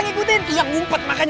sampai jumpa di video selanjutnya